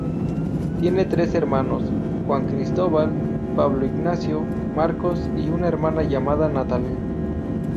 Tiene tres hermanos, Juan Cristóbal, Pablo Ignacio, Marcos y una hermana llamada Natalia.